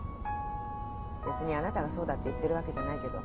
別にあなたがそうだって言ってるわけじゃないけど。